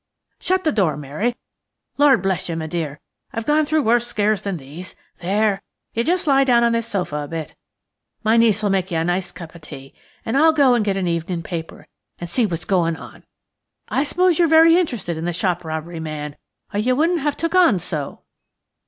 Shut the door, Mary. Lor' bless you, m'dear, I've gone through worse scares than these. There! you just lie down on this sofa a bit. My niece'll make you a nice cup o'tea; and I'll go and get an evening paper, and see what's going on. I suppose you are very interested in the shop robbery man, or you wouldn't have took on so."